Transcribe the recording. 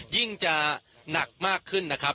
ยิ่งจะหนักมากขึ้นนะครับ